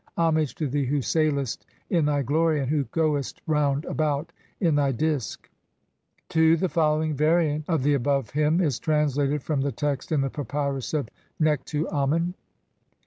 Homage to thee who sailest in thy "glory and who goest round about in thy Disk." II. The following variant of the above hymn is translated from the text in the Papyrus of Nekhtu Amen (Naville, Todtenbuch, Bd. n.